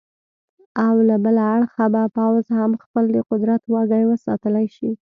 او له بله اړخه به پوځ هم خپل د قدرت واګې وساتلې شي.